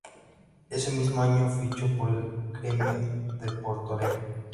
Ese mismo año fichó por el Grêmio de Porto Alegre.